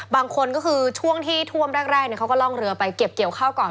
บางคนก็คือช่วงที่ท่วมแรกเขาก็ล่องเรือไปเก็บเกี่ยวข้าวก่อน